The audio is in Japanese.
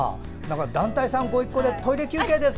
団体さんご一行でトイレ休憩です！